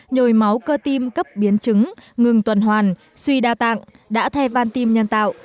nhồi máu cơ tim cấp biến chứng ngừng tuần hoàn suy đa tạng đã thay van tim nhân tạo